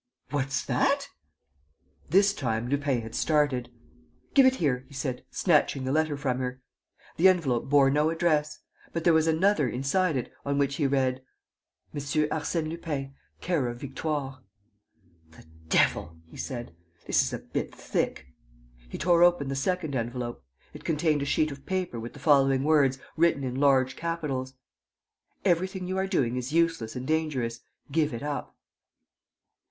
'" "What's that?" This time, Lupin had started: "Give it here," he said, snatching the letter from her. The envelope bore no address. But there was another, inside it, on which he read: "Monsieur Arsène Lupin, "℅ Victoire." "The devil!" he said. "This is a bit thick!" He tore open the second envelope. It contained a sheet of paper with the following words, written in large capitals: "Everything you are doing is useless and dangerous.... Give it up."